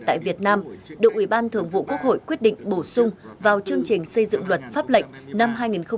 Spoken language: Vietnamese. tại việt nam đội ủy ban thượng vụ quốc hội quyết định bổ sung vào chương trình xây dựng luật pháp lệnh năm hai nghìn hai mươi ba